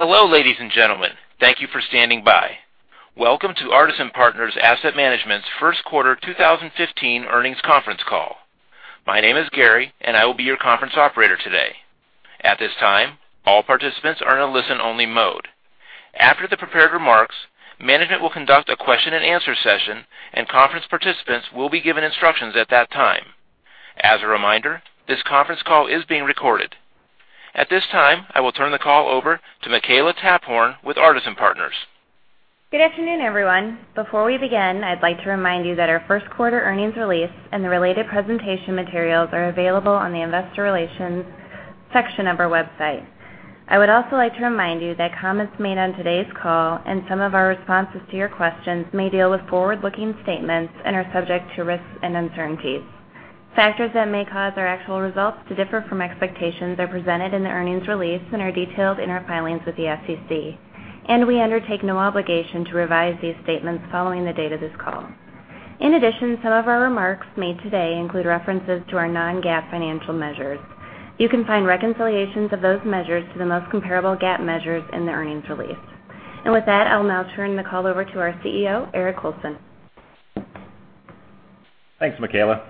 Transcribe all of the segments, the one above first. Hello, ladies and gentlemen. Thank you for standing by. Welcome to Artisan Partners Asset Management's first quarter 2015 earnings conference call. My name is Gary, and I will be your conference operator today. At this time, all participants are in a listen only mode. After the prepared remarks, management will conduct a question and answer session, and conference participants will be given instructions at that time. As a reminder, this conference call is being recorded. At this time, I will turn the call over to Makela Taphorn with Artisan Partners. Good afternoon, everyone. Before we begin, I'd like to remind you that our first quarter earnings release and the related presentation materials are available on the investor relations section of our website. I would also like to remind you that comments made on today's call and some of our responses to your questions may deal with forward-looking statements and are subject to risks and uncertainties. Factors that may cause our actual results to differ from expectations are presented in the earnings release and are detailed in our filings with the SEC. We undertake no obligation to revise these statements following the date of this call. In addition, some of our remarks made today include references to our non-GAAP financial measures. You can find reconciliations of those measures to the most comparable GAAP measures in the earnings release. With that, I'll now turn the call over to our CEO, Eric Colson. Thanks, Makela.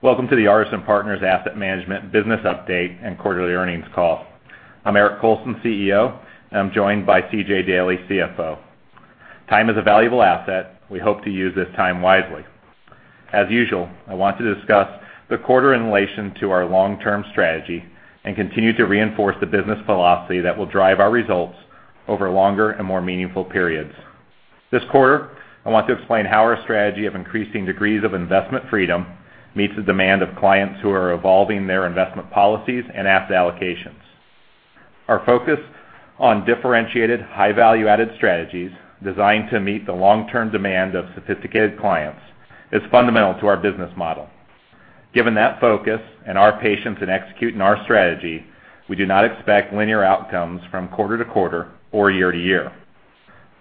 Welcome to the Artisan Partners Asset Management business update and quarterly earnings call. I'm Eric Colson, CEO, and I'm joined by C.J. Daley, CFO. Time is a valuable asset. We hope to use this time wisely. As usual, I want to discuss the quarter in relation to our long-term strategy and continue to reinforce the business philosophy that will drive our results over longer and more meaningful periods. This quarter, I want to explain how our strategy of increasing degrees of investment freedom meets the demand of clients who are evolving their investment policies and asset allocations. Our focus on differentiated high value-added strategies designed to meet the long-term demand of sophisticated clients is fundamental to our business model. Given that focus and our patience in executing our strategy, we do not expect linear outcomes from quarter to quarter or year to year.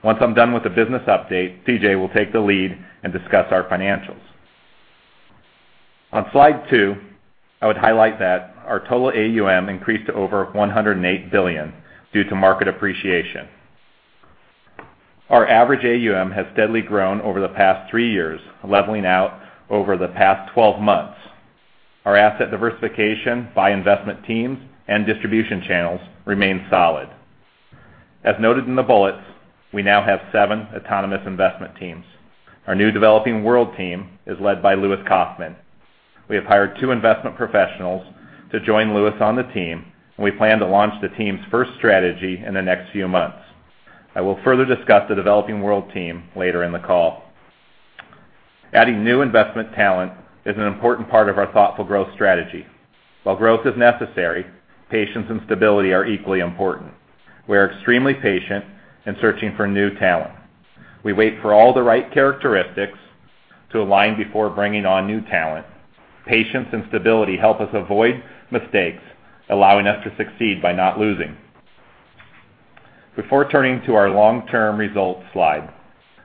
Once I'm done with the business update, CJ will take the lead and discuss our financials. On slide two, I would highlight that our total AUM increased to over $108 billion due to market appreciation. Our average AUM has steadily grown over the past three years, leveling out over the past 12 months. Our asset diversification by investment teams and distribution channels remains solid. As noted in the bullets, we now have seven autonomous investment teams. Our new Developing World team is led by Lewis Kaufman. We have hired two investment professionals to join Lewis on the team, and we plan to launch the team's first strategy in the next few months. I will further discuss the Developing World team later in the call. Adding new investment talent is an important part of our thoughtful growth strategy. While growth is necessary, patience and stability are equally important. We are extremely patient in searching for new talent. We wait for all the right characteristics to align before bringing on new talent. Patience and stability help us avoid mistakes, allowing us to succeed by not losing. Before turning to our long-term results slide,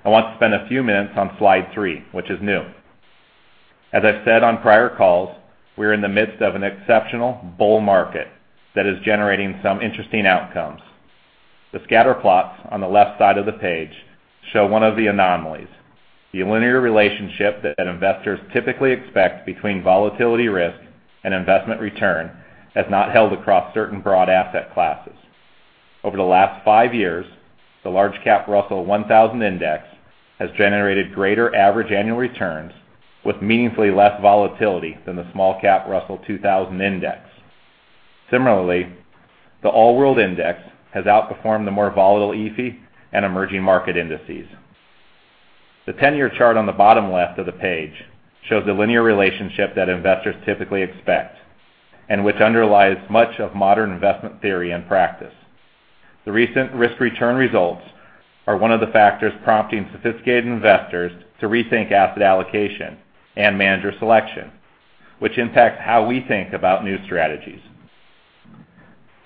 I want to spend a few minutes on slide three, which is new. As I've said on prior calls, we're in the midst of an exceptional bull market that is generating some interesting outcomes. The scatter plots on the left side of the page show one of the anomalies. The linear relationship that investors typically expect between volatility risk and investment return has not held across certain broad asset classes. Over the last five years, the large cap Russell 1000 index has generated greater average annual returns with meaningfully less volatility than the small cap Russell 2000 index. Similarly, the All World Index has outperformed the more volatile EAFE and emerging market indices. The 10-year chart on the bottom left of the page shows the linear relationship that investors typically expect and which underlies much of modern investment theory and practice. The recent risk return results are one of the factors prompting sophisticated investors to rethink asset allocation and manager selection, which impacts how we think about new strategies.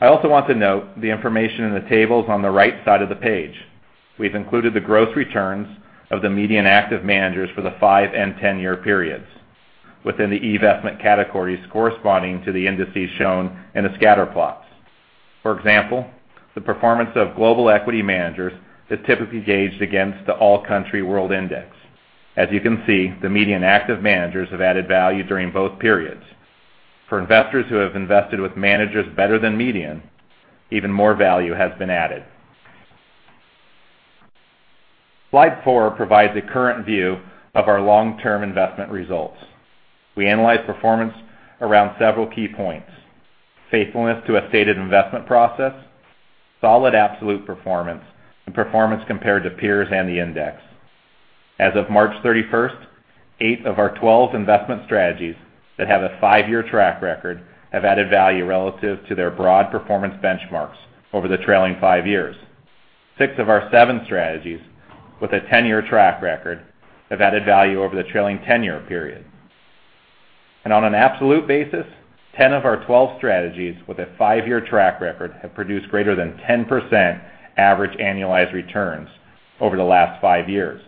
I also want to note the information in the tables on the right side of the page. We've included the growth returns of the median active managers for the five and 10-year periods within the investment categories corresponding to the indices shown in the scatter plots. For example, the performance of global equity managers is typically gauged against the All Country World Index. As you can see, the median active managers have added value during both periods. For investors who have invested with managers better than median, even more value has been added. Slide four provides a current view of our long-term investment results. We analyze performance around several key points: faithfulness to a stated investment process, solid absolute performance, and performance compared to peers and the index. As of March 31st, eight of our 12 investment strategies that have a five-year track record have added value relative to their broad performance benchmarks over the trailing five years. Six of our seven strategies with a 10-year track record have added value over the trailing 10-year period. On an absolute basis, 10 of our 12 strategies with a five-year track record have produced greater than 10% average annualized returns over the last five years.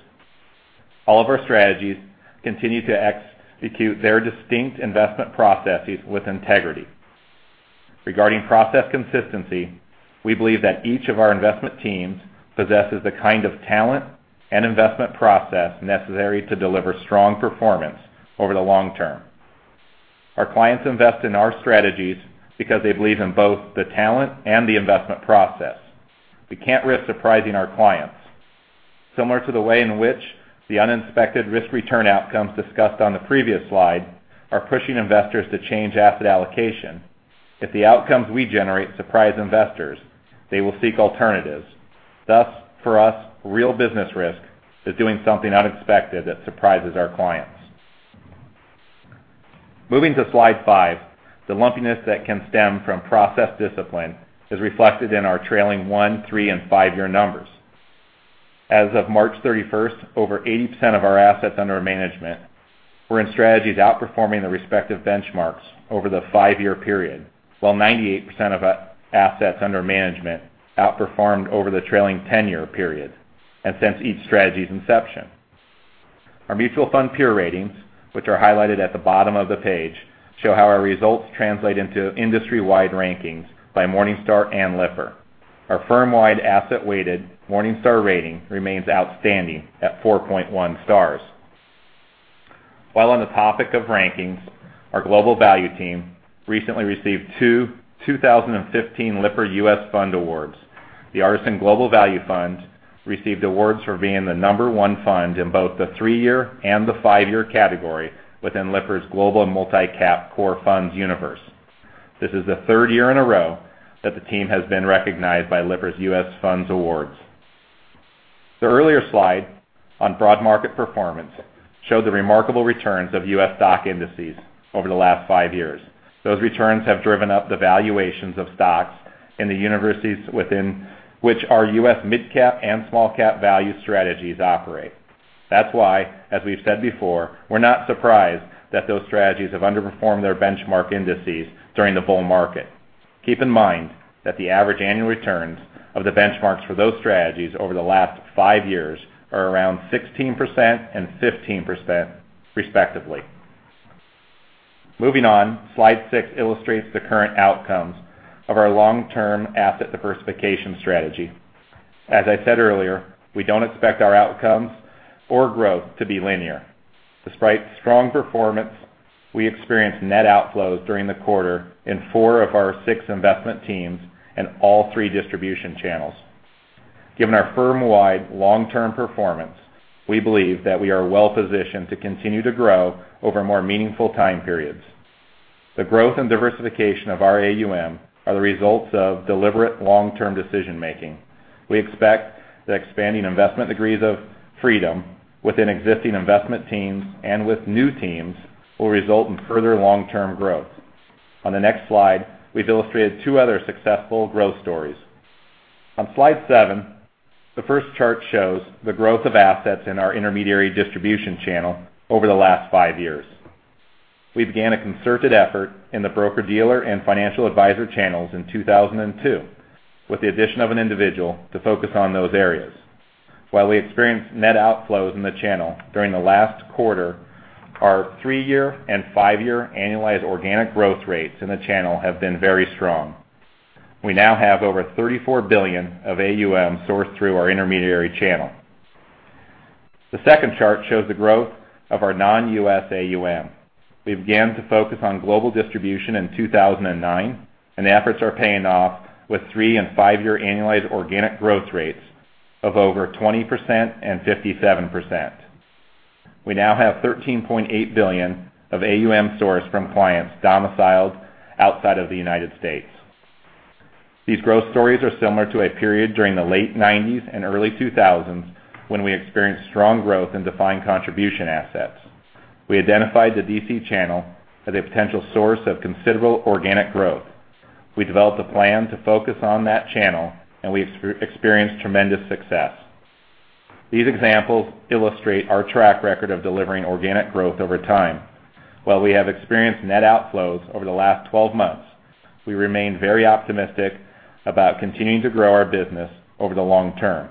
All of our strategies continue to execute their distinct investment processes with integrity. Regarding process consistency, we believe that each of our investment teams possesses the kind of talent and investment process necessary to deliver strong performance over the long term. Our clients invest in our strategies because they believe in both the talent and the investment process. We can't risk surprising our clients. Similar to the way in which the unexpected risk-return outcomes discussed on the previous slide are pushing investors to change asset allocation, if the outcomes we generate surprise investors, they will seek alternatives. Thus, for us, real business risk is doing something unexpected that surprises our clients. Moving to slide five, the lumpiness that can stem from process discipline is reflected in our trailing one, three, and five-year numbers. As of March 31st, over 80% of our assets under management were in strategies outperforming the respective benchmarks over the five-year period, while 98% of assets under management outperformed over the trailing 10-year period and since each strategy's inception. Our mutual fund peer ratings, which are highlighted at the bottom of the page, show how our results translate into industry-wide rankings by Morningstar and Lipper. Our firm-wide asset-weighted Morningstar rating remains outstanding at 4.1 stars. While on the topic of rankings, our Global Value team recently received two 2015 Lipper U.S. Fund Awards. The Artisan Global Value Fund received awards for being the number one fund in both the three-year and the five-year category within Lipper's Global Multi-Cap Core Funds universe. This is the third year in a row that the team has been recognized by Lipper's U.S. Funds Awards. The earlier slide on broad market performance showed the remarkable returns of U.S. stock indices over the last five years. Those returns have driven up the valuations of stocks in the universities within which our U.S. mid-cap and small-cap value strategies operate. That's why, as we've said before, we're not surprised that those strategies have underperformed their benchmark indices during the bull market. Keep in mind that the average annual returns of the benchmarks for those strategies over the last five years are around 16% and 15%, respectively. Moving on, slide six illustrates the current outcomes of our long-term asset diversification strategy. As I said earlier, we don't expect our outcomes or growth to be linear. Despite strong performance, we experienced net outflows during the quarter in four of our six investment teams and all three distribution channels. Given our firm-wide long-term performance, we believe that we are well positioned to continue to grow over more meaningful time periods. The growth and diversification of our AUM are the results of deliberate long-term decision making. We expect that expanding investment degrees of freedom within existing investment teams and with new teams will result in further long-term growth. On the next slide, we've illustrated two other successful growth stories. On slide seven, the first chart shows the growth of assets in our intermediary distribution channel over the last five years. We began a concerted effort in the broker-dealer and financial advisor channels in 2002 with the addition of an individual to focus on those areas. While we experienced net outflows in the channel during the last quarter, our three-year and five-year annualized organic growth rates in the channel have been very strong. We now have over $34 billion of AUM sourced through our intermediary channel. The second chart shows the growth of our non-U.S. AUM. We began to focus on global distribution in 2009. The efforts are paying off with 3 and 5-year annualized organic growth rates of over 20% and 57%. We now have $13.8 billion of AUM sourced from clients domiciled outside of the United States. These growth stories are similar to a period during the late '90s and early 2000s when we experienced strong growth in defined contribution assets. We identified the DC channel as a potential source of considerable organic growth. We developed a plan to focus on that channel. We experienced tremendous success. These examples illustrate our track record of delivering organic growth over time. While we have experienced net outflows over the last 12 months, we remain very optimistic about continuing to grow our business over the long term.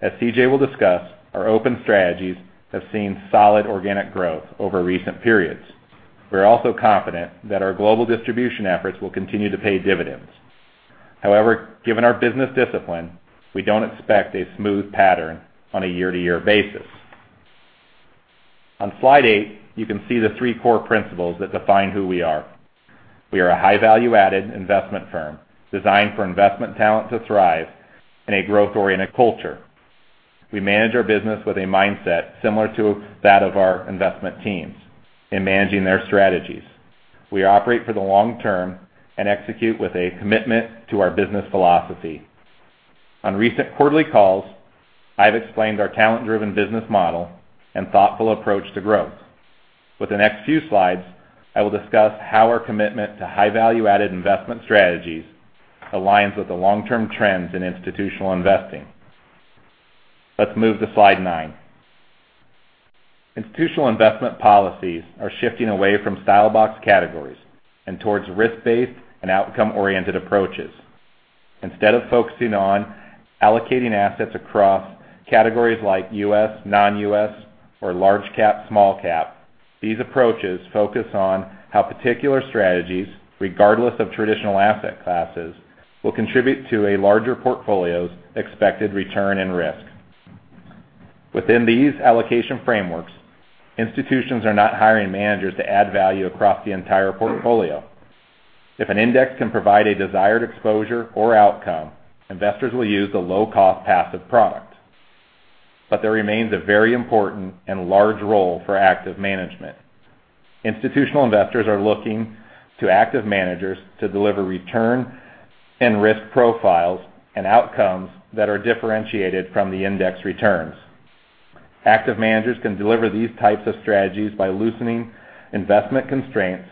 As C.J. will discuss, our open strategies have seen solid organic growth over recent periods. We are also confident that our global distribution efforts will continue to pay dividends. However, given our business discipline, we don't expect a smooth pattern on a year-to-year basis. On slide eight, you can see the three core principles that define who we are. We are a high value-added investment firm designed for investment talent to thrive in a growth-oriented culture. We manage our business with a mindset similar to that of our investment teams in managing their strategies. We operate for the long term and execute with a commitment to our business philosophy. On recent quarterly calls, I've explained our talent-driven business model and thoughtful approach to growth. With the next few slides, I will discuss how our commitment to high value-added investment strategies aligns with the long-term trends in institutional investing. Let's move to slide nine. Institutional investment policies are shifting away from style box categories and towards risk-based and outcome-oriented approaches. Instead of focusing on allocating assets across categories like U.S., non-U.S., or large cap, small cap, these approaches focus on how particular strategies, regardless of traditional asset classes, will contribute to a larger portfolio's expected return and risk. Within these allocation frameworks, institutions are not hiring managers to add value across the entire portfolio. If an index can provide a desired exposure or outcome, investors will use the low-cost passive product. There remains a very important and large role for active management. Institutional investors are looking to active managers to deliver return and risk profiles and outcomes that are differentiated from the index returns. Active managers can deliver these types of strategies by loosening investment constraints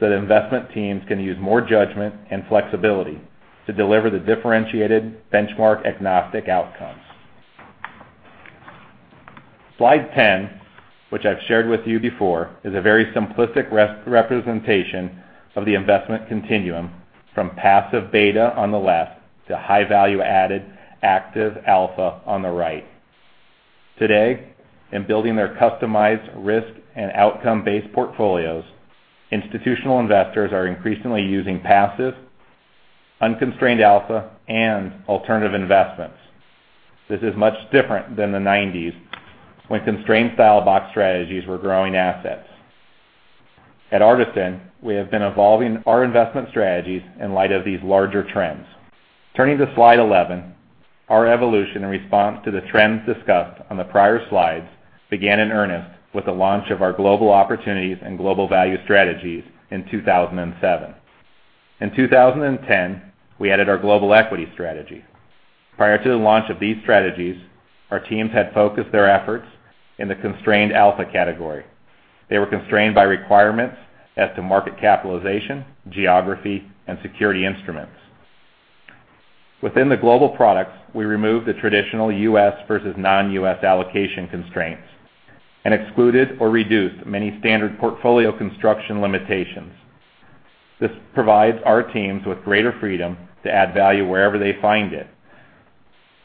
so that investment teams can use more judgment and flexibility to deliver the differentiated benchmark agnostic outcomes. Slide 10, which I've shared with you before, is a very simplistic representation of the investment continuum from passive beta on the left to high value added active alpha on the right. Today, in building their customized risk and outcome-based portfolios, institutional investors are increasingly using passive, unconstrained alpha, and alternative investments. This is much different than the '90s, when constrained style box strategies were growing assets. At Artisan, we have been evolving our investment strategies in light of these larger trends. Turning to slide 11, our evolution in response to the trends discussed on the prior slides began in earnest with the launch of our global opportunities and global value strategies in 2007. In 2010, we added our Global Equity strategy. Prior to the launch of these strategies, our teams had focused their efforts in the constrained alpha category. They were constrained by requirements as to market capitalization, geography, and security instruments. Within the global products, we removed the traditional U.S. versus non-U.S. allocation constraints and excluded or reduced many standard portfolio construction limitations. This provides our teams with greater freedom to add value wherever they find it,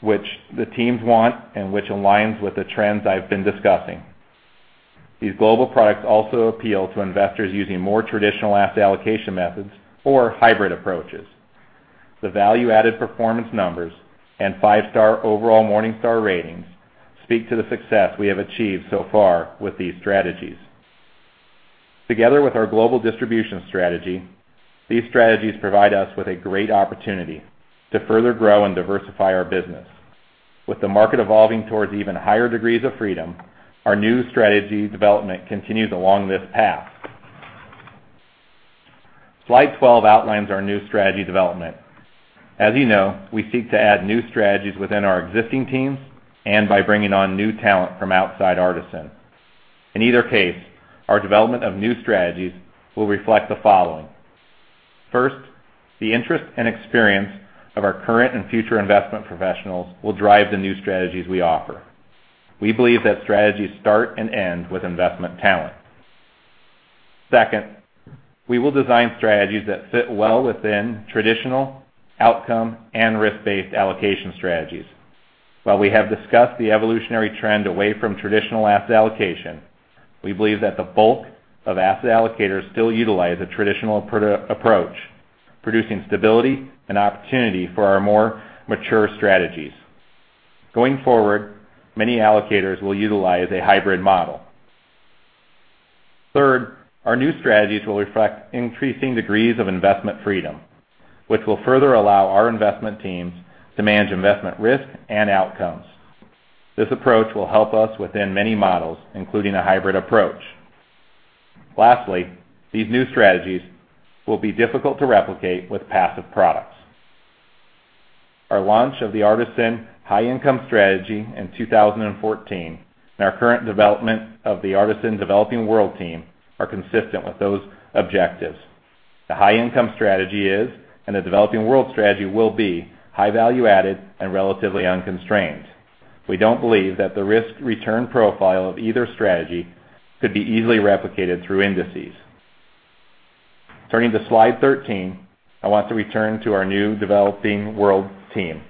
which the teams want and which aligns with the trends I've been discussing. These global products also appeal to investors using more traditional asset allocation methods or hybrid approaches. The value added performance numbers and five-star overall Morningstar ratings speak to the success we have achieved so far with these strategies. Together with our global distribution strategy, these strategies provide us with a great opportunity to further grow and diversify our business. With the market evolving towards even higher degrees of freedom, our new strategy development continues along this path. Slide 12 outlines our new strategy development. As you know, we seek to add new strategies within our existing teams and by bringing on new talent from outside Artisan. In either case, our development of new strategies will reflect the following. First, the interest and experience of our current and future investment professionals will drive the new strategies we offer. Second, we will design strategies that fit well within traditional outcome and risk-based allocation strategies. While we have discussed the evolutionary trend away from traditional asset allocation, we believe that the bulk of asset allocators still utilize a traditional approach, producing stability and opportunity for our more mature strategies. Going forward, many allocators will utilize a hybrid model. Third, our new strategies will reflect increasing degrees of investment freedom, which will further allow our investment teams to manage investment risk and outcomes. This approach will help us within many models, including a hybrid approach. Lastly, these new strategies will be difficult to replicate with passive products. Our launch of the Artisan High Income strategy in 2014 and our current development of the Artisan Developing World team are consistent with those objectives. The High Income strategy is, and the Developing World strategy will be high value added and relatively unconstrained. We don't believe that the risk return profile of either strategy could be easily replicated through indices. Turning to slide 13, I want to return to our new Developing World team.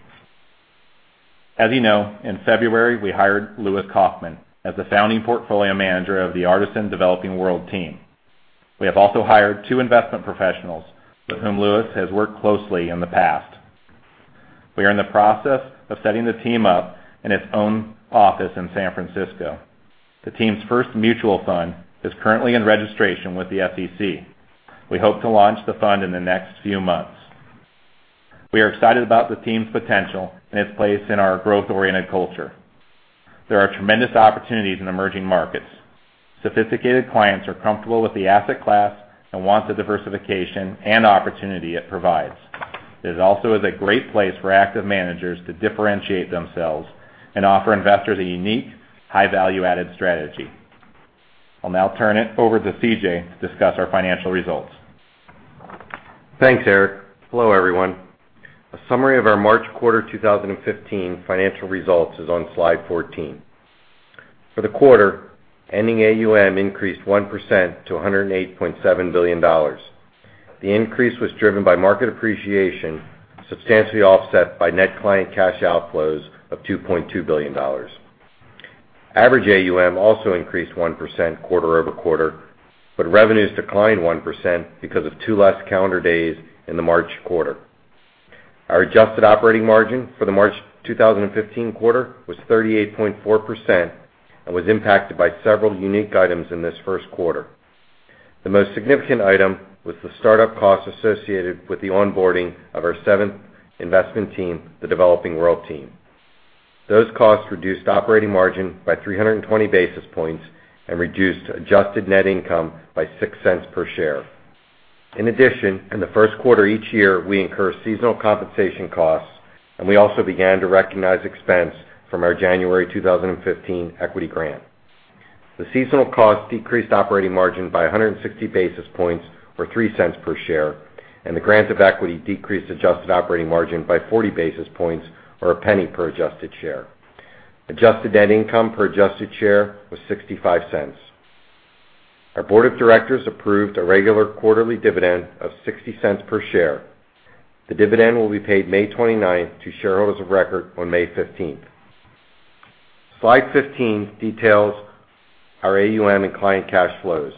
As you know, in February, we hired Lewis Kaufman as the founding portfolio manager of the Artisan Developing World team. We have also hired two investment professionals with whom Louis has worked closely in the past. We are in the process of setting the team up in its own office in San Francisco. The team's first mutual fund is currently in registration with the SEC. We hope to launch the fund in the next few months. We are excited about the team's potential and its place in our growth-oriented culture. There are tremendous opportunities in emerging markets. Sophisticated clients are comfortable with the asset class and want the diversification and opportunity it provides. It also is a great place for active managers to differentiate themselves and offer investors a unique, high value added strategy. I'll now turn it over to CJ to discuss our financial results. Thanks, Eric. Hello, everyone. A summary of our March quarter 2015 financial results is on slide 14. For the quarter, ending AUM increased 1% to $108.7 billion. The increase was driven by market appreciation, substantially offset by net client cash outflows of $2.2 billion. Average AUM also increased 1% quarter-over-quarter, revenues declined 1% because of two less calendar days in the March quarter. Our adjusted operating margin for the March 2015 quarter was 38.4% and was impacted by several unique items in this first quarter. The most significant item was the startup costs associated with the onboarding of our seventh investment team, the Developing World team. Those costs reduced operating margin by 320 basis points and reduced adjusted net income by $0.06 per share. In addition, in the first quarter each year, we incur seasonal compensation costs, and we also began to recognize expense from our January 2015 equity grant. The seasonal cost decreased operating margin by 160 basis points or $0.03 per share, and the grant of equity decreased adjusted operating margin by 40 basis points or $0.01 per adjusted share. Adjusted net income per adjusted share was $0.65. Our board of directors approved a regular quarterly dividend of $0.60 per share. The dividend will be paid May 29th to shareholders of record on May 15th. Slide 15 details our AUM and client cash flows.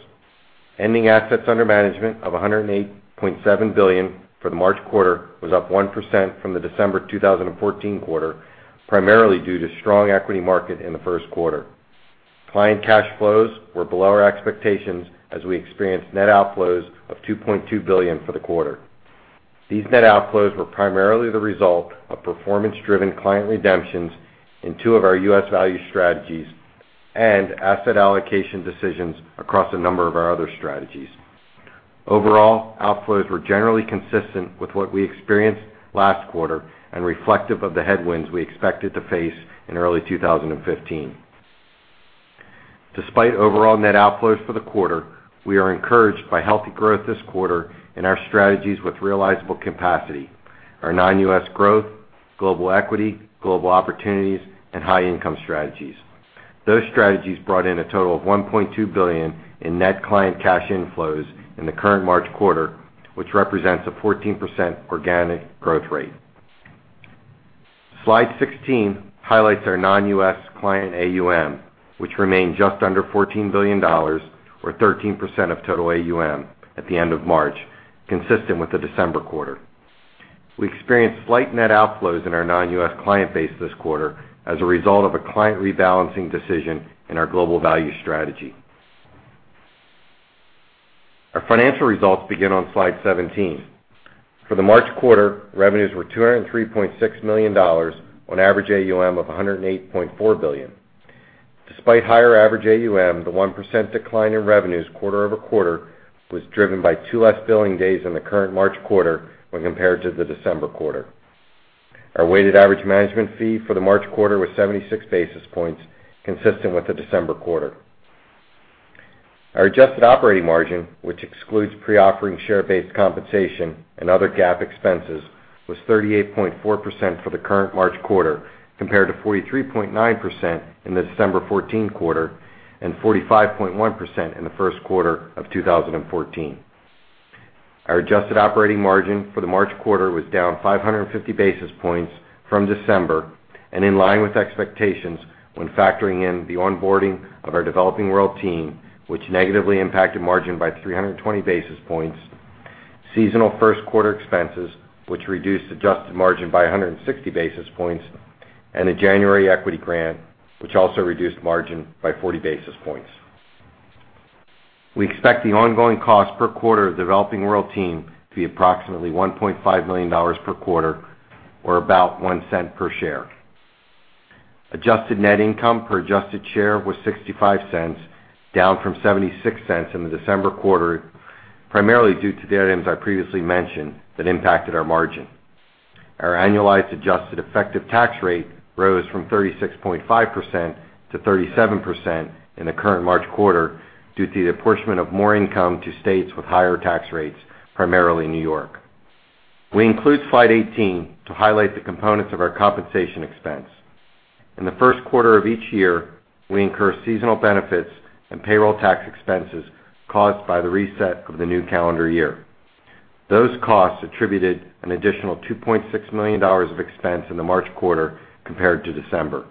Ending assets under management of $108.7 billion for the March quarter was up 1% from the December 2014 quarter, primarily due to strong equity market in the first quarter. Client cash flows were below our expectations as we experienced net outflows of $2.2 billion for the quarter. These net outflows were primarily the result of performance-driven client redemptions in two of our U.S. value strategies and asset allocation decisions across a number of our other strategies. Overall, outflows were generally consistent with what we experienced last quarter and reflective of the headwinds we expected to face in early 2015. Despite overall net outflows for the quarter, we are encouraged by healthy growth this quarter in our strategies with realizable capacity, our Non-US Growth, Global Equity, Global Opportunities, and High Income strategies. Those strategies brought in a total of $1.2 billion in net client cash inflows in the current March quarter, which represents a 14% organic growth rate. Slide 16 highlights our Non-US client AUM, which remained just under $14 billion, or 13% of total AUM at the end of March, consistent with the December quarter. We experienced slight net outflows in our Non-US client base this quarter as a result of a client rebalancing decision in our Artisan Global Value strategy. Our financial results begin on slide 17. For the March quarter, revenues were $203.6 million on average AUM of $108.4 billion. Despite higher average AUM, the 1% decline in revenues quarter-over-quarter was driven by two less billing days in the current March quarter when compared to the December quarter. Our weighted average management fee for the March quarter was 76 basis points, consistent with the December quarter. Our adjusted operating margin, which excludes pre-offering share-based compensation and other GAAP expenses, was 38.4% for the current March quarter, compared to 43.9% in the December 2014 quarter and 45.1% in the first quarter of 2014. Our adjusted operating margin for the March quarter was down 550 basis points from December and in line with expectations when factoring in the onboarding of our Developing World team, which negatively impacted margin by 320 basis points, seasonal first quarter expenses, which reduced adjusted margin by 160 basis points, and a January equity grant, which also reduced margin by 40 basis points. We expect the ongoing cost per quarter of the Developing World team to be approximately $1.5 million per quarter or about $0.01 per share. Adjusted net income per adjusted share was $0.65, down from $0.76 in the December quarter, primarily due to the items I previously mentioned that impacted our margin. Our annualized adjusted effective tax rate rose from 36.5% to 37% in the current March quarter due to the apportionment of more income to states with higher tax rates, primarily N.Y. We include slide 18 to highlight the components of our compensation expense. In the first quarter of each year, we incur seasonal benefits and payroll tax expenses caused by the reset of the new calendar year. Those costs attributed an additional $2.6 million of expense in the March quarter compared to December.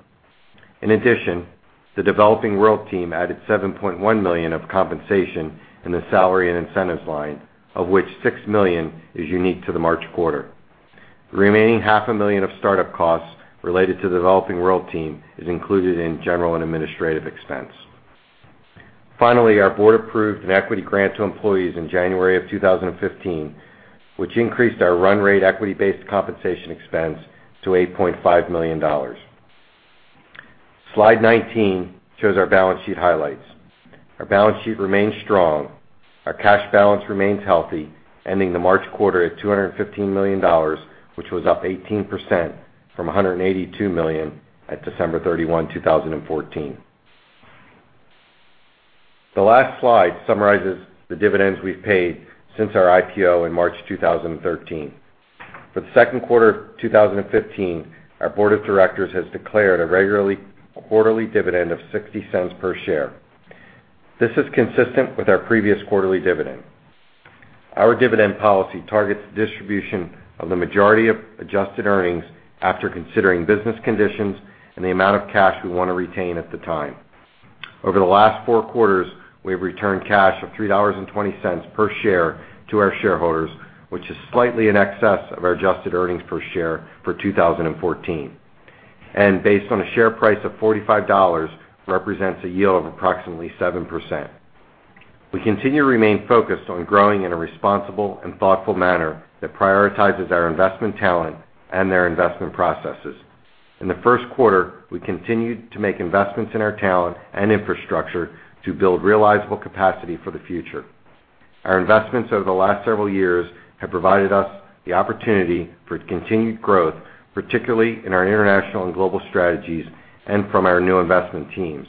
In addition, the Developing World team added $7.1 million of compensation in the salary and incentives line, of which $6 million is unique to the March quarter. The remaining half a million of startup costs related to the Developing World team is included in general and administrative expense. Finally, our board approved an equity grant to employees in January of 2015, which increased our run rate equity-based compensation expense to $8.5 million. Slide 19 shows our balance sheet highlights. Our balance sheet remains strong. Our cash balance remains healthy, ending the March quarter at $215 million, which was up 18% from $182 million at December 31, 2014. The last slide summarizes the dividends we've paid since our IPO in March 2013. For the second quarter of 2015, our board of directors has declared a regular quarterly dividend of $0.60 per share. This is consistent with our previous quarterly dividend. Our dividend policy targets distribution of the majority of adjusted earnings after considering business conditions and the amount of cash we want to retain at the time. Over the last four quarters, we have returned cash of $3.20 per share to our shareholders, which is slightly in excess of our adjusted earnings per share for 2014. Based on a share price of $45, represents a yield of approximately 7%. We continue to remain focused on growing in a responsible and thoughtful manner that prioritizes our investment talent and their investment processes. In the first quarter, we continued to make investments in our talent and infrastructure to build realizable capacity for the future. Our investments over the last several years have provided us the opportunity for continued growth, particularly in our international and global strategies and from our new investment teams.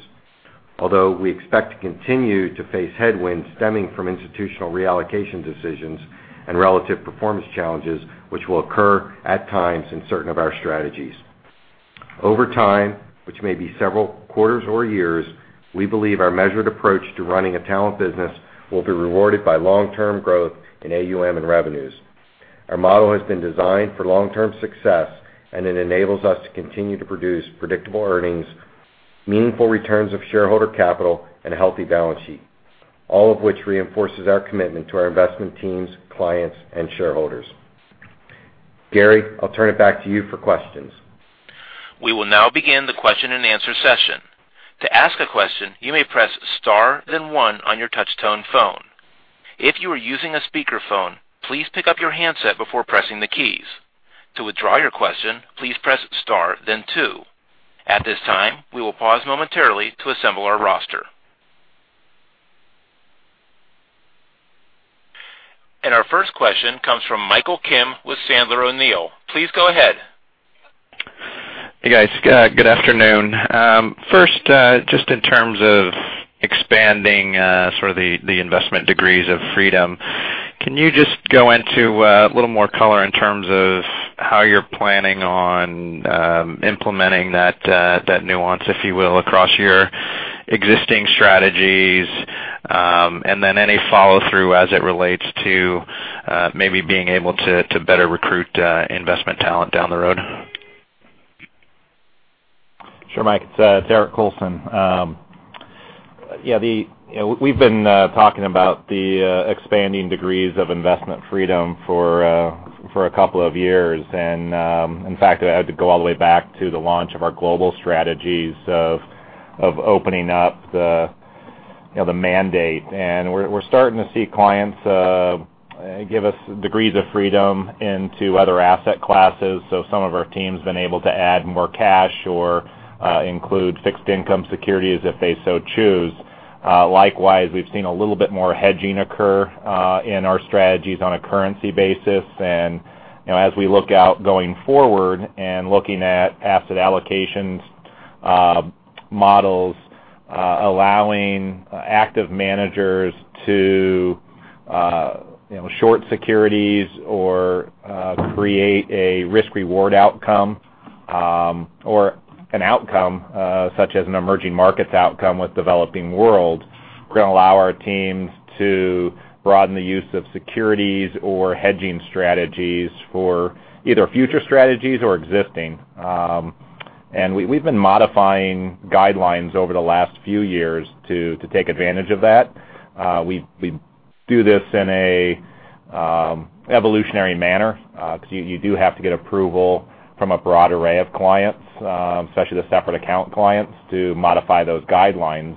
Although we expect to continue to face headwinds stemming from institutional reallocation decisions and relative performance challenges, which will occur at times in certain of our strategies. Over time, which may be several quarters or years, we believe our measured approach to running a talent business will be rewarded by long-term growth in AUM and revenues. Our model has been designed for long-term success. It enables us to continue to produce predictable earnings, meaningful returns of shareholder capital, and a healthy balance sheet, all of which reinforces our commitment to our investment teams, clients, and shareholders. Gary, I'll turn it back to you for questions. We will now begin the question and answer session. To ask a question, you may press star, then one on your touch tone phone. If you are using a speakerphone, please pick up your handset before pressing the keys. To withdraw your question, please press star, then two. At this time, we will pause momentarily to assemble our roster. Our first question comes from Michael Kim with Sandler O'Neill. Please go ahead. Hey, guys. Good afternoon. First, just in terms of expanding the investment degrees of freedom, can you just go into a little more color in terms of how you're planning on implementing that nuance, if you will, across your existing strategies? Then any follow-through as it relates to maybe being able to better recruit investment talent down the road? Sure, Mike, it's Eric Colson. We've been talking about the expanding degrees of investment freedom for a couple of years. In fact, I had to go all the way back to the launch of our global strategies of opening up the mandate. We're starting to see clients give us degrees of freedom into other asset classes. Some of our teams have been able to add more cash or include fixed income securities if they so choose. Likewise, we've seen a little bit more hedging occur in our strategies on a currency basis. As we look out going forward and looking at asset allocation models, allowing active managers to short securities or create a risk-reward outcome or an outcome such as an emerging markets outcome with Developing World, we're going to allow our teams to broaden the use of securities or hedging strategies for either future strategies or existing. We've been modifying guidelines over the last few years to take advantage of that. We do this in an evolutionary manner, because you do have to get approval from a broad array of clients, especially the separate account clients, to modify those guidelines.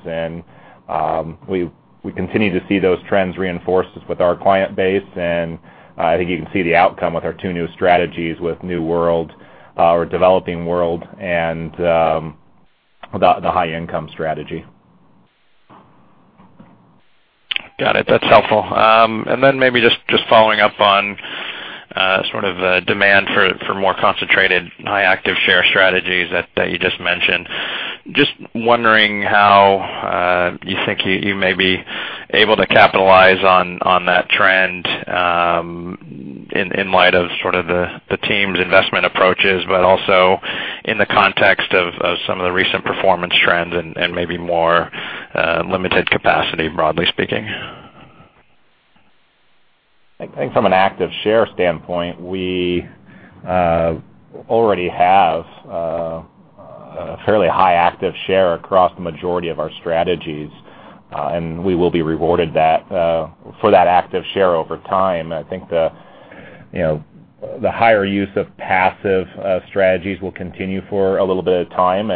We continue to see those trends reinforced with our client base, and I think you can see the outcome with our two new strategies with Developing World or Developing World and the High Income strategy. Got it. That's helpful. Maybe just following up on demand for more concentrated high active share strategies that you just mentioned. Wondering how you think you may be able to capitalize on that trend, in light of the team's investment approaches, but also in the context of some of the recent performance trends and maybe more limited capacity, broadly speaking. I think from an active share standpoint, we already have a fairly high active share across the majority of our strategies. We will be rewarded for that active share over time. I think the higher use of passive strategies will continue for a little bit of time,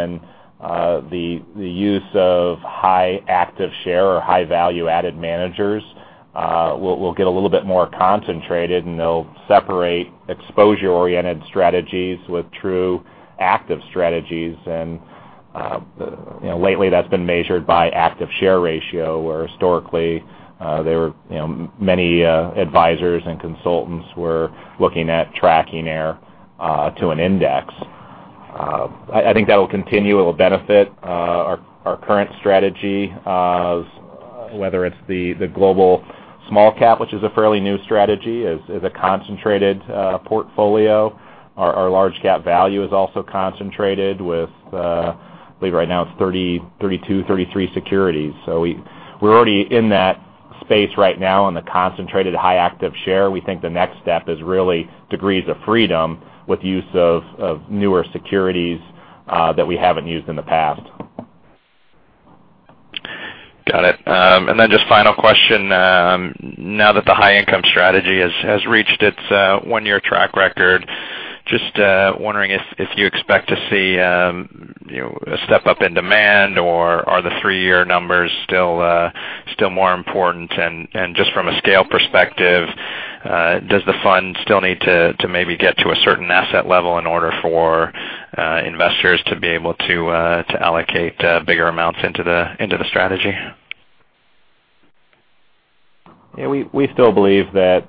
the use of high active share or high value-added managers will get a little bit more concentrated, and they'll separate exposure-oriented strategies with true active strategies. Lately, that's been measured by active share ratio, where historically many advisers and consultants were looking at tracking error to an index. I think that will continue. It will benefit our current strategy, whether it's the Global Small-Cap Growth, which is a fairly new strategy, is a concentrated portfolio. Our Large Cap Value is also concentrated with, I believe right now it's 32, 33 securities. We're already in that space right now in the concentrated high active share. We think the next step is really degrees of freedom with use of newer securities that we haven't used in the past. Got it. Just final question, now that the High Income strategy has reached its one-year track record, just wondering if you expect to see a step up in demand, or are the three-year numbers still more important? Just from a scale perspective, does the fund still need to maybe get to a certain asset level in order for investors to be able to allocate bigger amounts into the strategy? We still believe that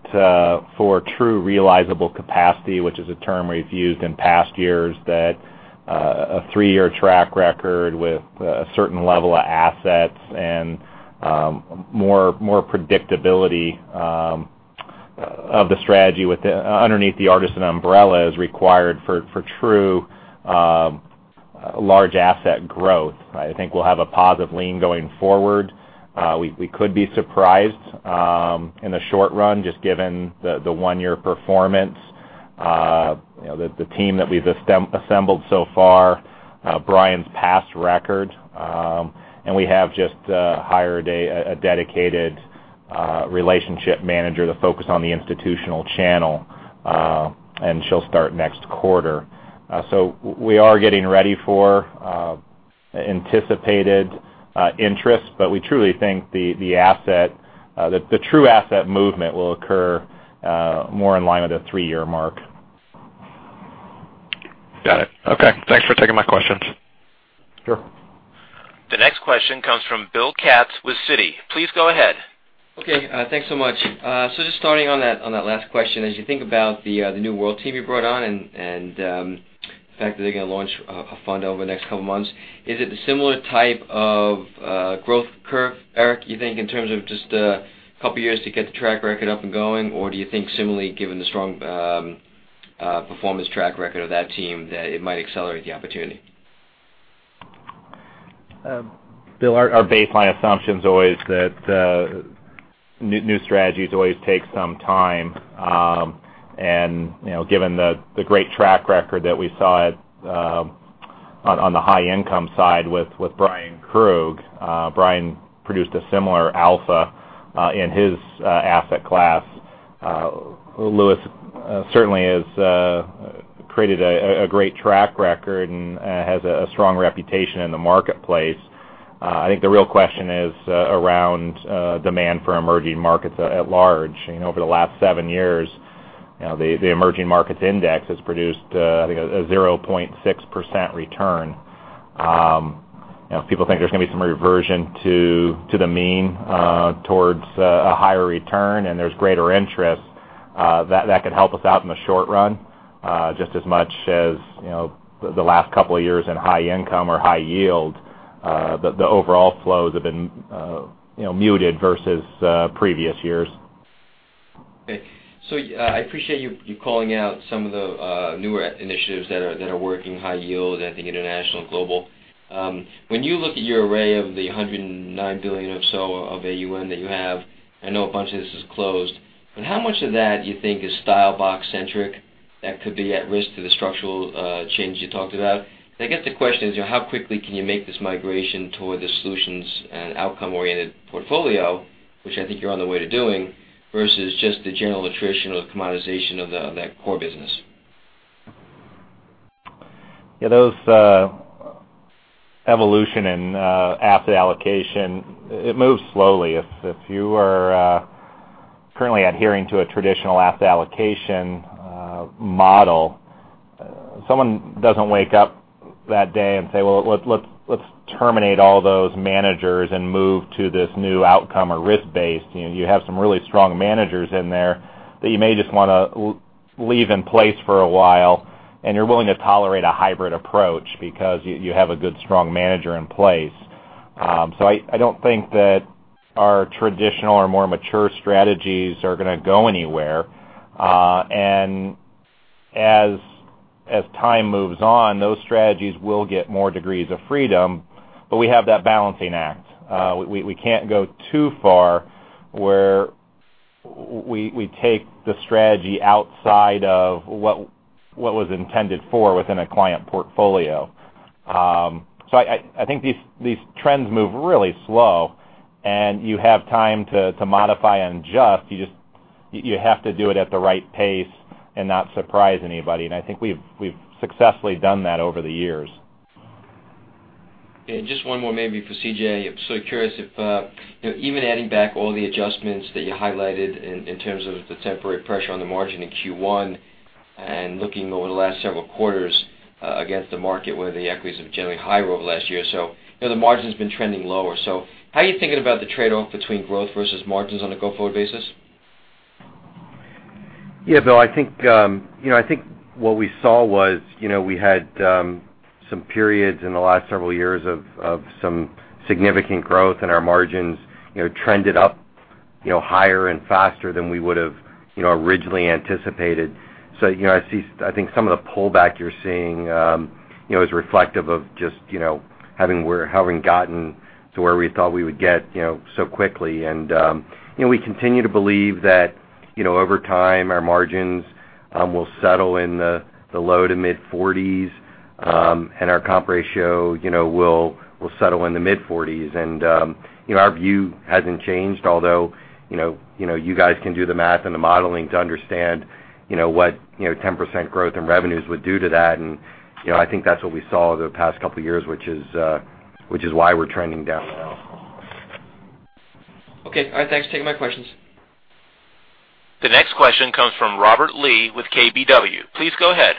for true realizable capacity, which is a term we've used in past years, that a three-year track record with a certain level of assets and more predictability of the strategy underneath the Artisan umbrella is required for true large asset growth. I think we'll have a positive lean going forward. We could be surprised in the short run just given the one-year performance. The team that we've assembled so far, Brian's past record, we have just hired a dedicated relationship manager to focus on the institutional channel, she'll start next quarter. We are getting ready for anticipated interest, but we truly think the true asset movement will occur more in line with a three-year mark. Got it. Okay. Thanks for taking my questions. Sure. The next question comes from Bill Katz with Citi. Please go ahead. Okay, thanks so much. Just starting on that last question, as you think about the Developing World team you brought on, and the fact that they're going to launch a fund over the next couple of months, is it the similar type of growth curve, Eric, you think, in terms of just a couple of years to get the track record up and going? Or do you think similarly, given the strong performance track record of that team, that it might accelerate the opportunity? Bill, our baseline assumption's always that new strategies always take some time. Given the great track record that we saw on the High Income side with Bryan Krug, Bryan produced a similar alpha in his asset class. Lewis certainly has created a great track record and has a strong reputation in the marketplace. I think the real question is around demand for emerging markets at large. Over the last seven years, the Emerging Markets Index has produced, I think, a 0.6% return. People think there's going to be some reversion to the mean towards a higher return, and there's greater interest. That could help us out in the short run, just as much as the last couple of years in High Income or high yield, the overall flows have been muted versus previous years. Okay. I appreciate you calling out some of the newer initiatives that are working high yield, I think, international and global. When you look at your array of the $109 billion or so of AUM that you have, I know a bunch of this is closed, but how much of that do you think is style box centric that could be at risk to the structural change you talked about? I guess the question is how quickly can you make this migration toward the solutions and outcome-oriented portfolio, which I think you're on the way to doing, versus just the general attrition or the commoditization of that core business? Yeah, those evolution and asset allocation, it moves slowly. If you are currently adhering to a traditional asset allocation model, someone doesn't wake up that day and say, "let's terminate all those managers and move to this new outcome or risk-based." You have some really strong managers in there that you may just want to leave in place for a while, and you're willing to tolerate a hybrid approach because you have a good, strong manager in place. I don't think that our traditional or more mature strategies are going to go anywhere. As time moves on, those strategies will get more degrees of freedom, but we have that balancing act. We can't go too far where we take the strategy outside of what was intended for within a client portfolio. I think these trends move really slow, and you have time to modify and adjust. You have to do it at the right pace and not surprise anybody. I think we've successfully done that over the years. Okay. Just one more maybe for C.J. Curious if, even adding back all the adjustments that you highlighted in terms of the temporary pressure on the margin in Q1 and looking over the last several quarters against the market where the equities have generally higher over the last year or so, the margin's been trending lower. How are you thinking about the trade-off between growth versus margins on a go-forward basis? Yeah, Bill, I think what we saw was, we had some periods in the last several years of some significant growth in our margins, trended up higher and faster than we would've originally anticipated. I think some of the pullback you're seeing is reflective of just having gotten to where we thought we would get so quickly. We continue to believe that over time, our margins will settle in the low to mid-40s, and our comp ratio will settle in the mid-40s. Our view hasn't changed. Although, you guys can do the math and the modeling to understand what 10% growth in revenues would do to that, and I think that's what we saw over the past couple of years, which is why we're trending down now. Okay. All right, thanks. Taking my questions. The next question comes from Robert Lee with KBW. Please go ahead.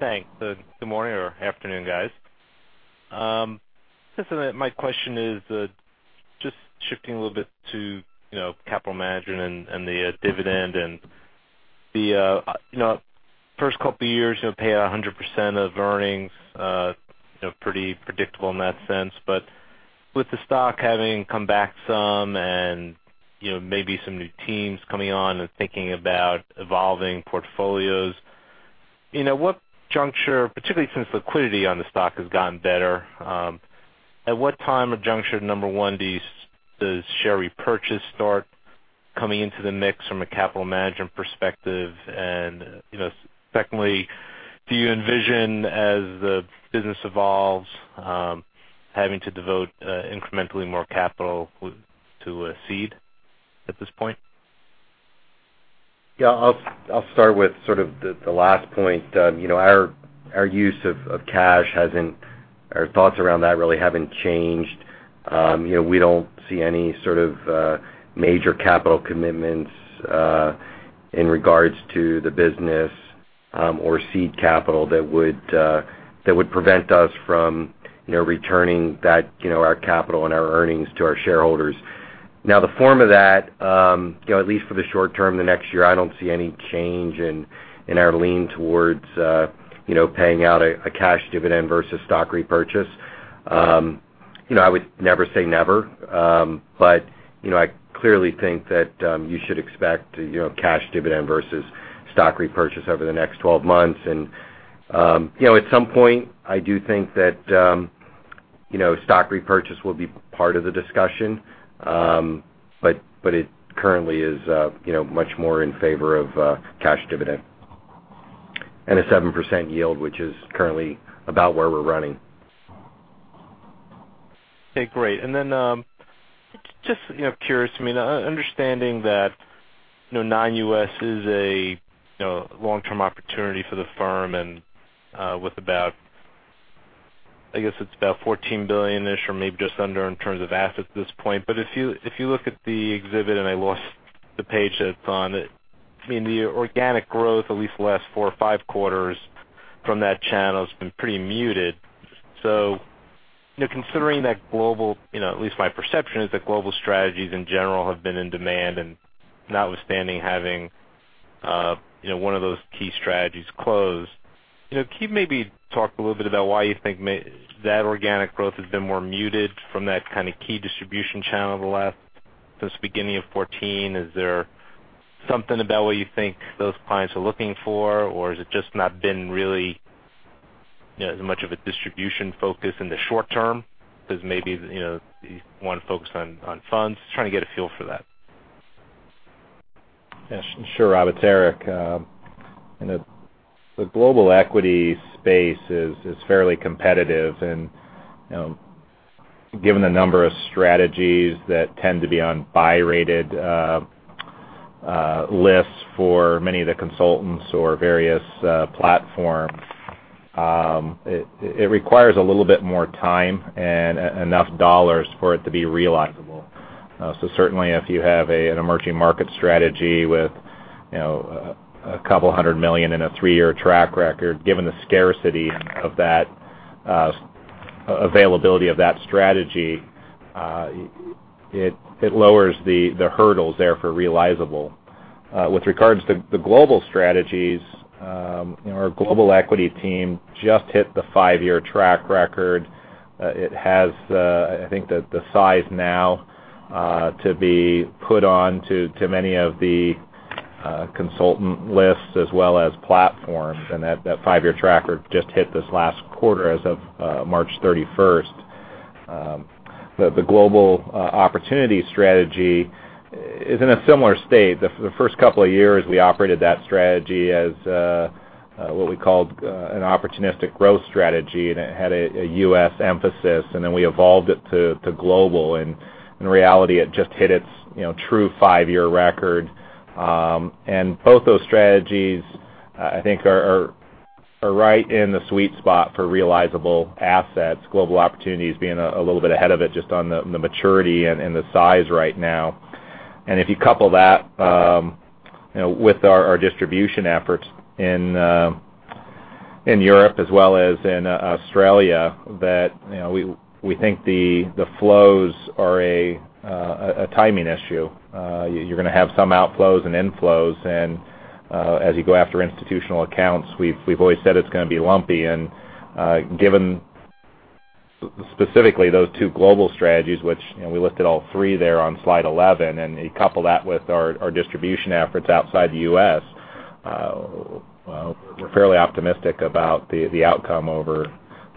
Thanks. Good morning or afternoon, guys. My question is just shifting a little bit to capital management and the dividend. The first couple of years, you pay out 100% of earnings, pretty predictable in that sense. With the stock having come back some and maybe some new teams coming on and thinking about evolving portfolios, particularly since liquidity on the stock has gotten better, at what time or juncture, number 1, does share repurchase start coming into the mix from a capital management perspective? Secondly, do you envision, as the business evolves, having to devote incrementally more capital to a seed at this point? Yeah, I'll start with sort of the last point. Our use of cash, our thoughts around that really haven't changed. We don't see any sort of major capital commitments in regards to the business or seed capital that would prevent us from returning our capital and our earnings to our shareholders. The form of that, at least for the short term, the next year, I don't see any change in our lean towards paying out a cash dividend versus stock repurchase. I would never say never, but I clearly think that you should expect cash dividend versus stock repurchase over the next 12 months. At some point, I do think that stock repurchase will be part of the discussion. It currently is much more in favor of cash dividend. A 7% yield, which is currently about where we're running. Okay, great. Then just curious, understanding that Non-US is a long-term opportunity for the firm, with about, I guess it's about $14 billion-ish or maybe just under in terms of assets at this point. If you look at the exhibit, and I lost the page that it's on, the organic growth, at least the last four or five quarters from that channel has been pretty muted. Considering that global, at least my perception, is that global strategies in general have been in demand and notwithstanding having one of those key strategies closed. Can you maybe talk a little bit about why you think that organic growth has been more muted from that kind of key distribution channel since the beginning of 2014? Is there something about what you think those clients are looking for, or has it just not been really as much of a distribution focus in the short term because maybe you want to focus on funds? Just trying to get a feel for that. Yeah, sure, Robert. It's Eric. The Global Equity space is fairly competitive, and given the number of strategies that tend to be on buy-rated lists for many of the consultants or various platforms, it requires a little bit more time and enough dollars for it to be realizable. Certainly, if you have an emerging market strategy with $200 million and a 3-year track record, given the scarcity of that availability of that strategy, it lowers the hurdles there for realizable. With regards to the global strategies, our Global Equity team just hit the 5-year track record. It has, I think, the size now to be put onto many of the consultant lists as well as platforms, and that 5-year tracker just hit this last quarter as of March 31st. The Global Opportunities strategy is in a similar state. The first couple of years, we operated that strategy as what we called an opportunistic growth strategy, and it had a U.S. emphasis, then we evolved it to global. In reality, it just hit its true 5-year record. Both those strategies, I think, are right in the sweet spot for realizable assets, Global Opportunities being a little bit ahead of it just on the maturity and the size right now. If you couple that with our distribution efforts in In Europe as well as in Australia, that we think the flows are a timing issue. You're going to have some outflows and inflows. As you go after institutional accounts, we've always said it's going to be lumpy. Given specifically those two global strategies, which we listed all three there on slide 11, you couple that with our distribution efforts outside the U.S., we're fairly optimistic about the outcome over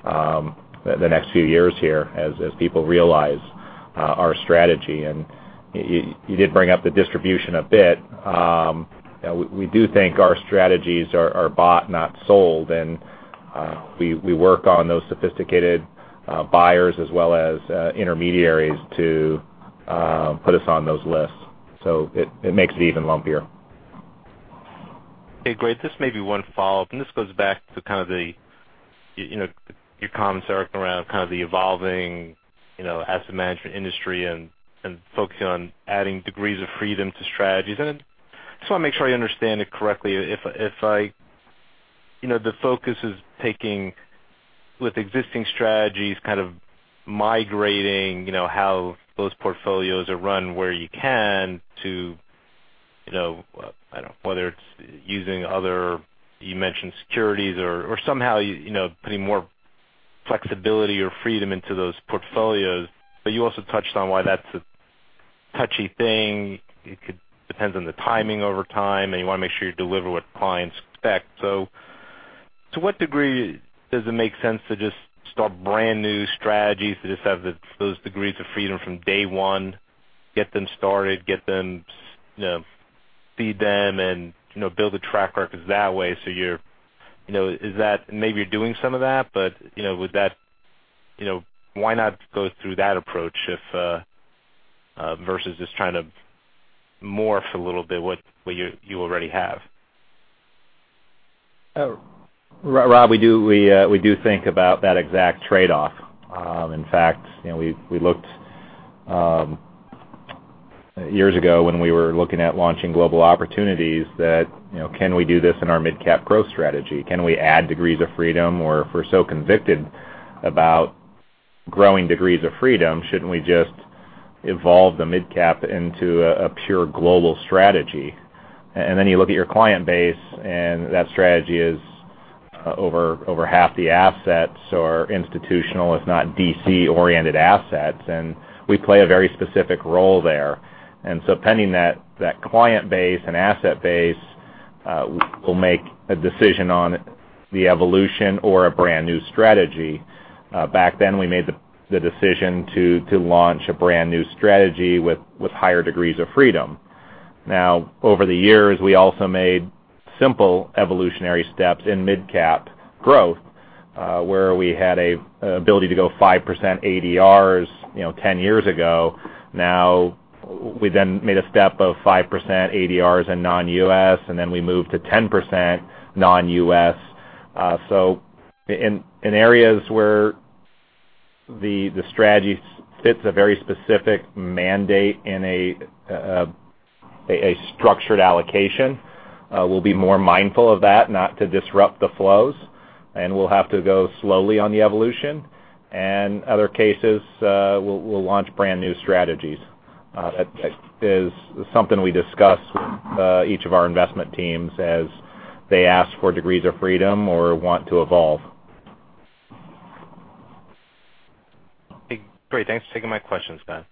the next few years here as people realize our strategy. You did bring up the distribution a bit. We do think our strategies are bought, not sold, and we work on those sophisticated buyers as well as intermediaries to put us on those lists. It makes it even lumpier. Hey, great. Just maybe one follow-up, this goes back to your comments, Eric, around the evolving asset management industry and focusing on adding degrees of freedom to strategies. I just want to make sure I understand it correctly. If the focus is taking with existing strategies, kind of migrating how those portfolios are run where you can to, I don't know, whether it's using other, you mentioned securities or somehow putting more flexibility or freedom into those portfolios. You also touched on why that's a touchy thing. It could depends on the timing over time, and you want to make sure you deliver what clients expect. To what degree does it make sense to just start brand new strategies to just have those degrees of freedom from day one, get them started, feed them, and build the track records that way? Maybe you're doing some of that, why not go through that approach versus just trying to morph a little bit what you already have? Rob, we do think about that exact trade-off. In fact, we looked years ago when we were looking at launching global opportunities that, can we do this in our Mid-Cap Growth strategy? Can we add degrees of freedom? If we're so convicted about growing degrees of freedom, shouldn't we just evolve the mid-cap into a pure global strategy? Then you look at your client base, that strategy is over half the assets or institutional, if not DC-oriented assets. We play a very specific role there. Pending that client base and asset base, we'll make a decision on the evolution or a brand new strategy. Back then, we made the decision to launch a brand new strategy with higher degrees of freedom. Over the years, we also made simple evolutionary steps in Mid-Cap Growth, where we had an ability to go 5% ADRs 10 years ago. We then made a step of 5% ADRs in non-US, then we moved to 10% non-US. In areas where the strategy fits a very specific mandate in a structured allocation, we'll be more mindful of that not to disrupt the flows, we'll have to go slowly on the evolution. Other cases, we'll launch brand new strategies. That is something we discuss with each of our investment teams as they ask for degrees of freedom or want to evolve. Great. Thanks for taking my questions, guys.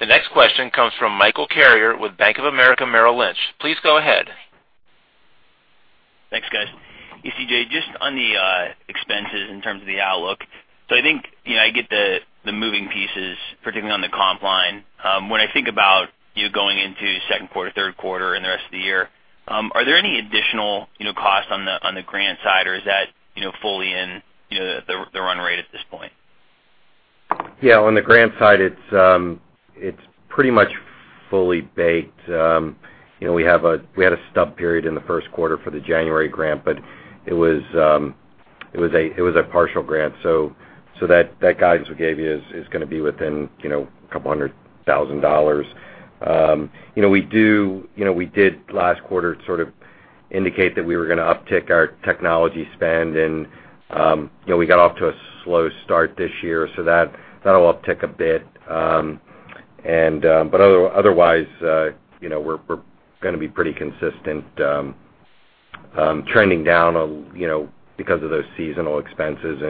The next question comes from Michael Carrier with Bank of America Merrill Lynch. Please go ahead. Thanks, guys. Hey, C.J., just on the expenses in terms of the outlook. I think I get the moving pieces, particularly on the comp line. When I think about you going into second quarter, third quarter, and the rest of the year, are there any additional costs on the grant side, or is that fully in the run rate at this point? Yeah, on the grant side, it's pretty much fully baked. We had a stub period in the first quarter for the January grant, but it was a partial grant. That guidance we gave you is going to be within a couple hundred thousand dollars. We did, last quarter, sort of indicate that we were going to uptick our technology spend. We got off to a slow start this year. That'll uptick a bit. Otherwise, we're going to be pretty consistent, trending down because of those seasonal expenses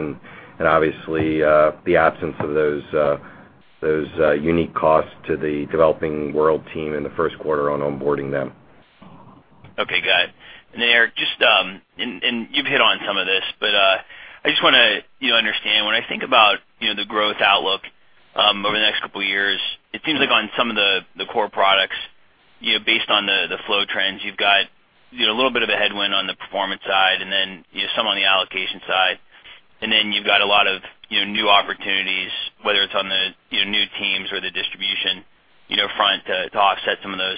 and obviously, the absence of those unique costs to the Developing World team in the first quarter on onboarding them. Okay, got it. Eric, you've hit on some of this, but I just want to understand. When I think about the growth outlook over the next couple of years, it seems like on some of the core products, based on the flow trends, you've got a little bit of a headwind on the performance side and then some on the allocation side. Then you've got a lot of new opportunities, whether it's on the new teams or the distribution front to offset some of those.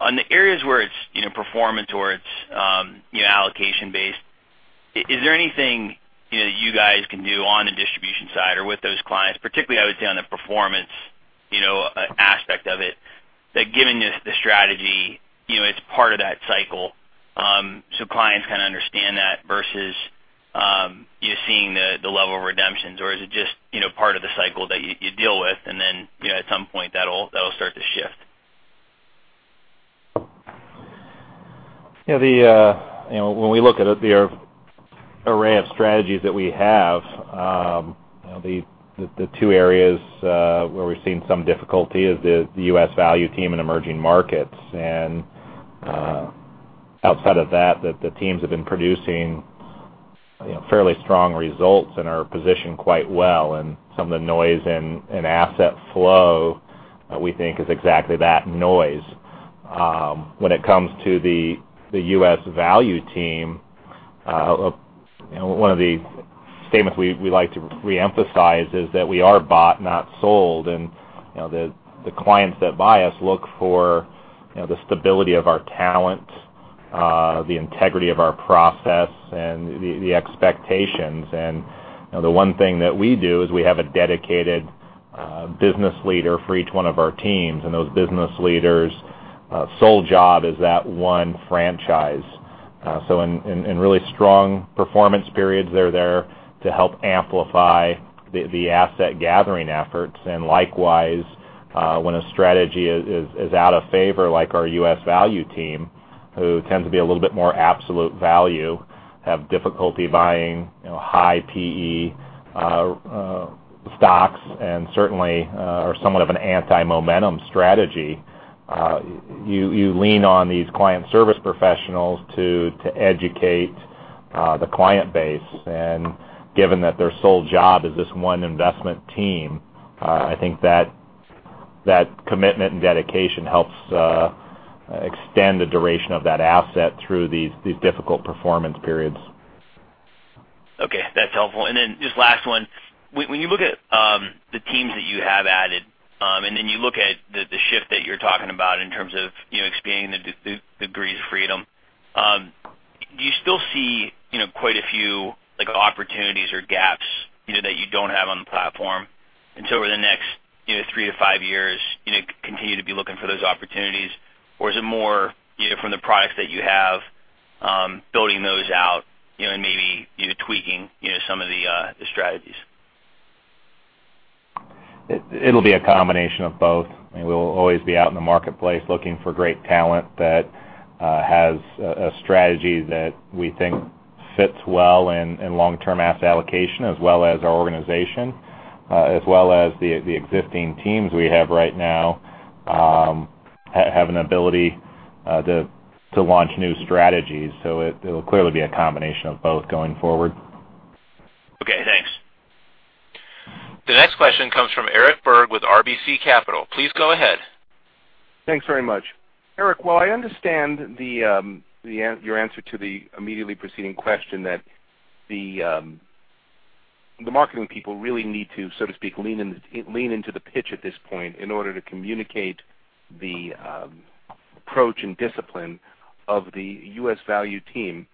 On the areas where it's performance or it's allocation based, is there anything that you guys can do on the distribution side or with those clients, particularly I would say on the performance aspect of it that given the strategy, it's part of that cycle? Clients understand that versus you seeing the level of redemptions, or is it just part of the cycle that you deal with, and then at some point, that'll start to shift? When we look at the array of strategies that we have, the two areas where we've seen some difficulty is the U.S. Value team and emerging markets. Outside of that, the teams have been producing fairly strong results and are positioned quite well. Some of the noise in asset flow we think is exactly that, noise. When it comes to the U.S. Value team, one of the statements we like to re-emphasize is that we are bought, not sold. The clients that buy us look for the stability of our talent, the integrity of our process, and the expectations. The one thing that we do is we have a dedicated business leader for each one of our teams. Those business leaders' sole job is that one franchise. In really strong performance periods, they're there to help amplify the asset gathering efforts. Likewise, when a strategy is out of favor, like our U.S. Value team, who tend to be a little bit more absolute value, have difficulty buying high P/E stocks, and certainly are somewhat of an anti-momentum strategy. You lean on these client service professionals to educate the client base. Given that their sole job is this one investment team, I think that commitment and dedication helps extend the duration of that asset through these difficult performance periods. Then this last one. When you look at the teams that you have added, then you look at the shift that you're talking about in terms of expanding the degrees of freedom, do you still see quite a few opportunities or gaps that you don't have on the platform? Over the next three to five years, continue to be looking for those opportunities? Or is it more from the products that you have, building those out and maybe tweaking some of the strategies? It'll be a combination of both. We'll always be out in the marketplace looking for great talent that has a strategy that we think fits well in long-term asset allocation as well as our organization, as well as the existing teams we have right now have an ability to launch new strategies. It'll clearly be a combination of both going forward. Okay, thanks. The next question comes from Eric Berg with RBC Capital. Please go ahead. Thanks very much. Eric, while I understand your answer to the immediately preceding question that the marketing people really need to, so to speak, lean into the pitch at this point in order to communicate the approach and discipline of the U.S. Value team.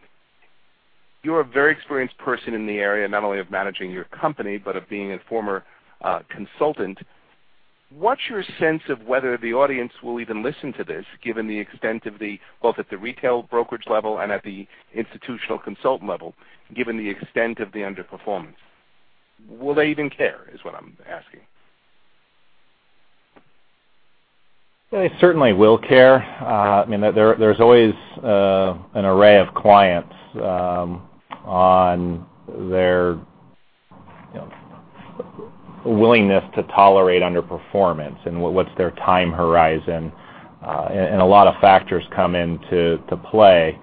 You're a very experienced person in the area, not only of managing your company, but of being a former consultant. What's your sense of whether the audience will even listen to this, both at the retail brokerage level and at the institutional consult level, given the extent of the underperformance? Will they even care, is what I'm asking. They certainly will care. There's always an array of clients on their willingness to tolerate underperformance and what's their time horizon. A lot of factors come into play.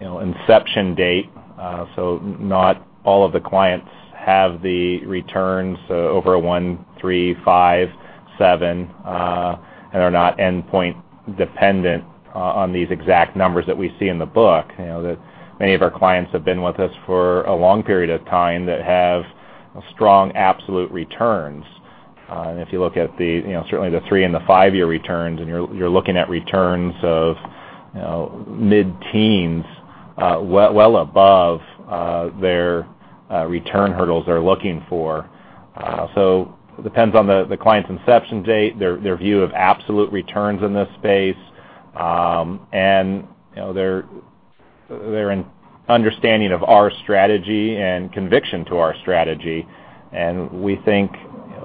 Inception date. Not all of the clients have the returns over one, three, five, seven, and are not endpoint dependent on these exact numbers that we see in the book. Many of our clients have been with us for a long period of time that have strong absolute returns. If you look at certainly the three and the five-year returns, and you're looking at returns of mid-teens well above their return hurdles they're looking for. Depends on the client's inception date, their view of absolute returns in this space, and their understanding of our strategy and conviction to our strategy. We think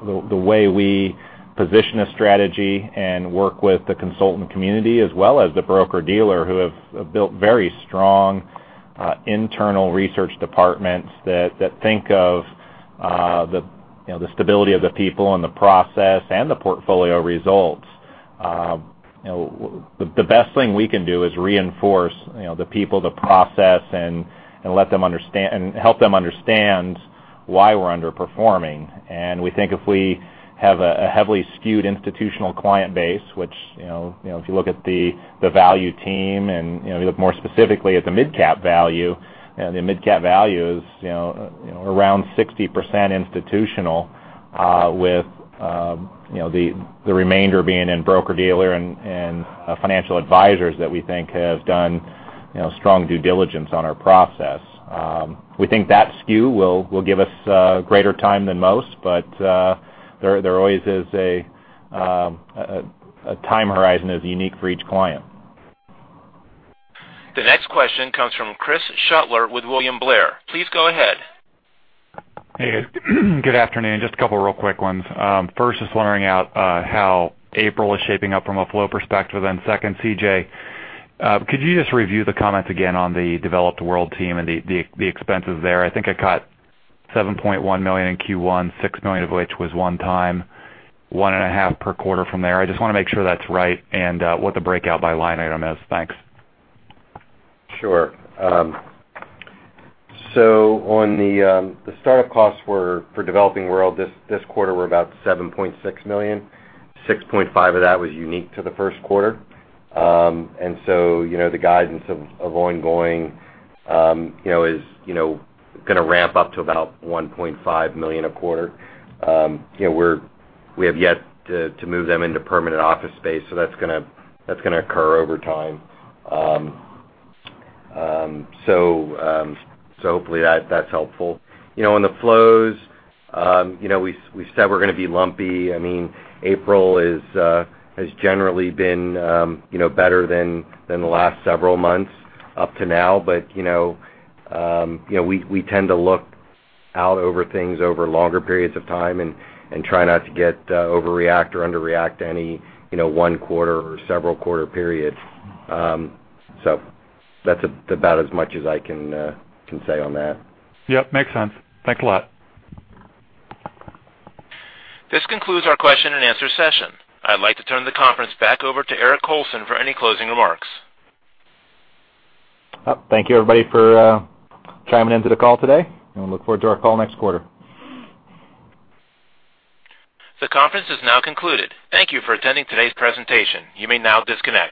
the way we position a strategy and work with the consultant community as well as the broker-dealer who have built very strong internal research departments that think of the stability of the people and the process and the portfolio results. The best thing we can do is reinforce the people, the process, and help them understand why we're underperforming. We think if we have a heavily skewed institutional client base, which if you look at the value team and you look more specifically at the Mid-Cap Value, the Mid-Cap Value is around 60% institutional, with the remainder being in broker-dealer and financial advisors that we think have done strong due diligence on our process. We think that skew will give us greater time than most, but there always is a time horizon that's unique for each client. The next question comes from Chris Shutler with William Blair. Please go ahead. Hey, guys. Good afternoon. Just a couple of real quick ones. First, just learning out how April is shaping up from a flow perspective. Second, C.J., could you just review the comments again on the Developing World team and the expenses there? I think I caught $7.1 million in Q1, $6 million of which was one time, one and a half per quarter from there. I just want to make sure that's right and what the breakout by line item is. Thanks. Sure. The startup costs for Developing World this quarter were about $7.6 million. $6.5 of that was unique to the first quarter. The guidance of ongoing is going to ramp up to about $1.5 million a quarter. We have yet to move them into permanent office space, so that's going to occur over time. Hopefully that's helpful. On the flows, we said we're going to be lumpy. April has generally been better than the last several months up to now. We tend to look out over things over longer periods of time and try not to overreact or underreact to any one quarter or several quarter periods. That's about as much as I can say on that. Yep, makes sense. Thanks a lot. This concludes our question and answer session. I'd like to turn the conference back over to Eric Colson for any closing remarks. Thank you, everybody, for chiming into the call today, and we look forward to our call next quarter. The conference is now concluded. Thank you for attending today's presentation. You may now disconnect.